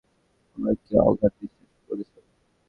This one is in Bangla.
অনাথাশ্রম থেকে এখন পর্যন্ত আমাকে অগাধ বিশ্বাস করেছ।